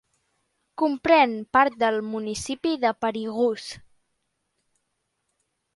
Comprèn part del municipi de Perigús.